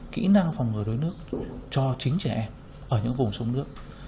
kỹ năng phòng ngừa đuối nước cho chính trẻ em ở những vùng sông nước